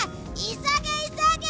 急げ急げ！